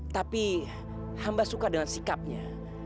tapi hamba suka dengan sikapnya